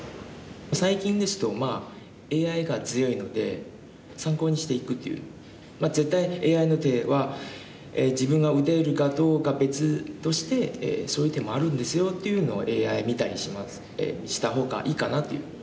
最近ですとＡＩが強いので絶対ＡＩの手は自分が打てるかどうか別としてそういう手もあるんですよっていうのをＡＩ見たりしますした方がいいかなっていう。